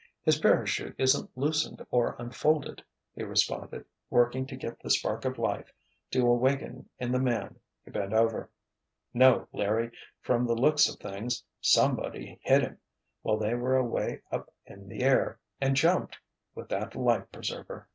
"His parachute isn't loosened or unfolded," he responded, working to get the spark of life to awaken in the man he bent over. "No, Larry, from the looks of things—somebody hit him, while they were away up in the air, and jumped—with that life preserver."